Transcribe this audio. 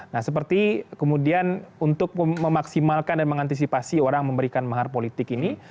nah seperti kemudian untuk memaksimalkan dan mengantisipasi orang memberikan mahar politik ini